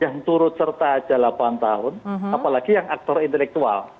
yang turut serta aja delapan tahun apalagi yang aktor intelektual